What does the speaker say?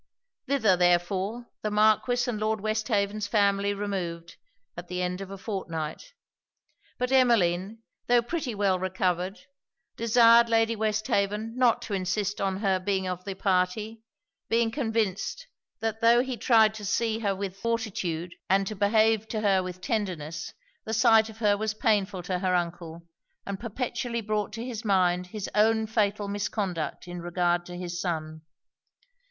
Thither, therefore, the Marquis and Lord Westhaven's family removed, at the end of a fortnight; but Emmeline, tho' pretty well recovered, desired Lady Westhaven not to insist on her being of the party; being convinced, that tho' he tried to see her with fortitude, and to behave to her with tenderness, the sight of her was painful to her uncle, and perpetually brought to his mind his own fatal misconduct in regard to his son.